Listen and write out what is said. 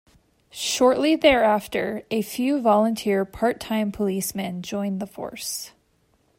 Shortly thereafter, a few volunteer part-time policemen joined the force.